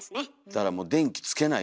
だからもう電気つけないとかね。